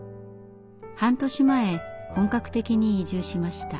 半年前本格的に移住しました。